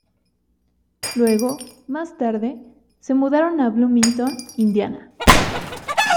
Luego, más tarde, se mudaron a Bloomington, Indiana.